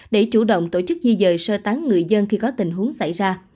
để chủ động tổ chức di dời sơ tán người dân khi có tình huống xảy ra